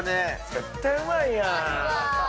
絶対うまいやん。